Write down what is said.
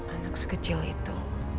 anak sekecil itu